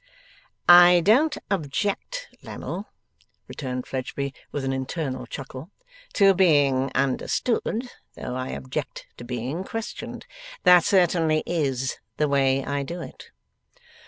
'I don't object, Lammle,' returned Fledgeby, with an internal chuckle, 'to being understood, though I object to being questioned. That certainly IS the way I do it.